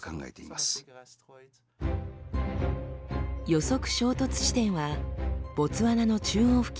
予測衝突地点はボツワナの中央付近。